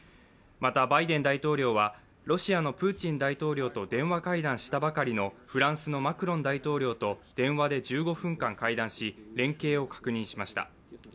またバイデン大統領はロシアのプーチン大統領と電話会談したばかりのフランスのマクロン大統領と電話で１５分間、会談し連携を確認しました。